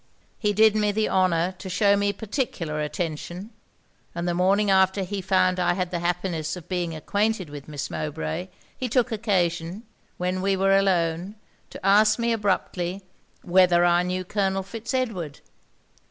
'He did me the honour to shew me particular attention; and the morning after he found I had the happiness of being acquainted with Miss Mowbray, he took occasion, when we were alone, to ask me, abruptly, whether I knew Colonel Fitz Edward?